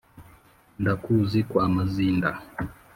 ndakuzi kwa mazinda